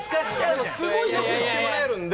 でもすごいよくしてもらえるんで。